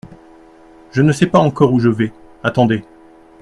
Je ne sais pas encore où je vais, attendez !